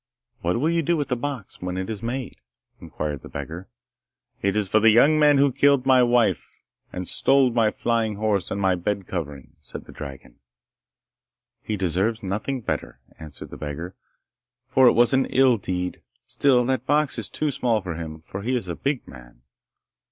'What will you do with the box when it is made?' inquired the beggar. 'It is for the young man who killed my wife, and stole my flying horse and my bed covering,' said the dragon. 'He deserves nothing better,' answered the beggar, 'for it was an ill deed. Still that box is too small for him, for he is a big man.